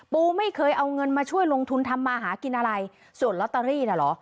ปูไม่เคยเอาเงินมาช่วยลงทุนทำมาหากินอะไรส่วนลอตเตอรี่น่ะเหรอ